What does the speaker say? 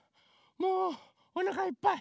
もうおなかいっぱい。